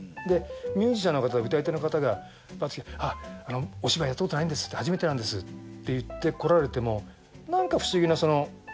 でミュージシャンの方歌い手の方がパッと来てお芝居やったことないんですって初めてなんですって言って来られてもなんか不思議なその。